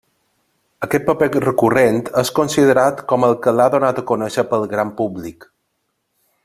Aquest paper recurrent és considerat com el que l'ha donat a conèixer pel gran públic.